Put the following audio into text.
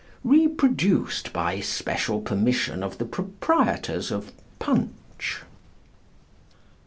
_Reproduced by special permission of the proprietors of "Punch."